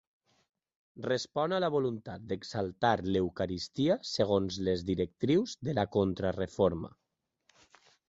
Respon a la voluntat d'exaltar l'Eucaristia segons les directrius de la Contrareforma.